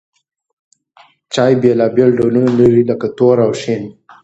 چای بېلابېل ډولونه لري لکه تور او شین.